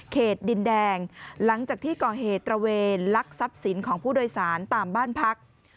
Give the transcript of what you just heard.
ดินแดงหลังจากที่ก่อเหตุตระเวนลักทรัพย์สินของผู้โดยสารตามบ้านพัก